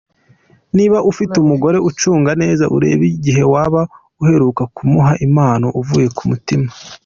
Niba ufite umugore ucunge neza urebe igihe waba uheruka kumuha impano ivuye k´umutima.